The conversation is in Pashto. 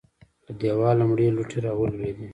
له دېواله مړې لوټې راولوېدې.